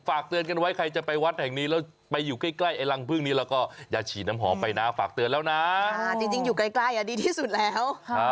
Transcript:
อ่าอจริงอยู่คล้ายดีที่สุดแล้ว